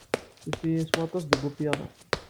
Tif-iyi s waṭas deg upyanu.